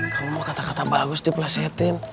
kamu mau kata kata bagus dipelesetin